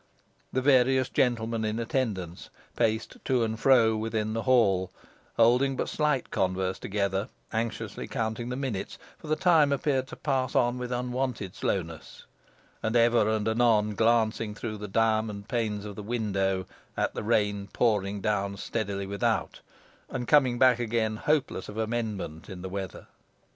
The various gentlemen in attendance paced to and fro within the hall, holding but slight converse together, anxiously counting the minutes, for the time appeared to pass on with unwonted slowness, and ever and anon glancing through the diamond panes of the window at the rain pouring down steadily without, and coming back again hopeless of amendment in the weather.